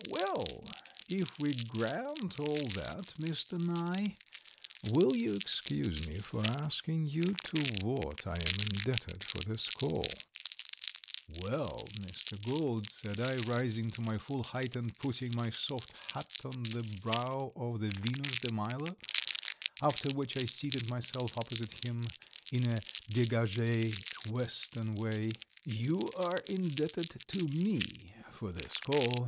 "Well, if we grant all that, Mr. Nye, will you excuse me for asking you to what I am indebted for this call?" "Well, Mr. Gould," said I, rising to my full height and putting my soft hat on the brow of the Venus de Milo, after which I seated myself opposite him in a degage Western way, "you are indebted to me for this call.